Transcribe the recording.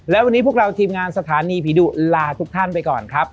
และวันนี้พวกเราทีมงานสถานีผีดุลาทุกท่านไปก่อนครับ